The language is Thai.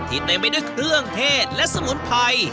เต็มไปด้วยเครื่องเทศและสมุนไพร